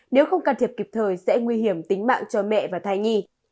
nếu không can thiệp kịp thời sẽ nguy hiểm tính mạng cho mẹ và thai nhi